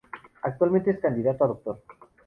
Actualmente es candidato a Doctor.